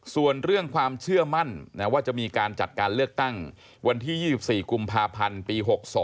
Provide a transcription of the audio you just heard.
ส่วนเรื่องความเชื่อมั่นว่าจะมีการจัดการเลือกตั้งวันที่๒๔กุมภาพันธ์ปี๖๒